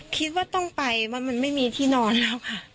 คิดว่าต้องไปเพราะมันไม่มีที่นอนแล้วค่ะ